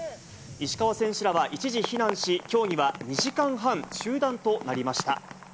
石川選手らは一時避難し、競技は２時間半、中断となりました。